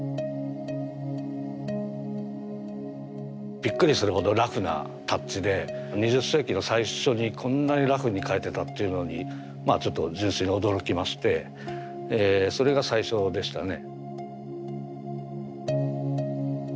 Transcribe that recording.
びっくりするほどラフなタッチで２０世紀の最初にこんなにラフに描いてたっていうのにまあちょっと純粋に驚きましてそれが最初でしたね。